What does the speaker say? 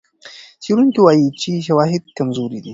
څېړونکي وايي چې شواهد کمزوري دي.